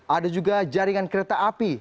ada juga jaringan kereta api